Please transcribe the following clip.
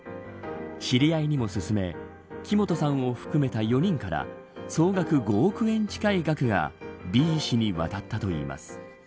知り合いにも勧め木本さんを含めた４人から総額５億円近い額がＢ氏に渡ったといいます。